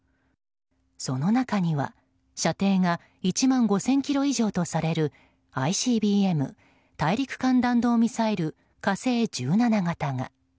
その中には、射程が１万５０００ｋｍ以上とされるＩＣＢＭ・大陸間弾道ミサイル「火星１７」型が。